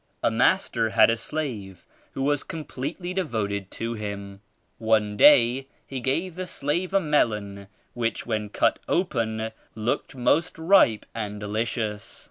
*'A master had a slave who was completely de voted to him. One day he gave the slave a melon whidi when cut open looked most ripe and^ delicious.